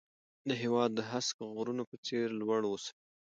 د هېواد د هسک غرونو په څېر لوړ اوسئ.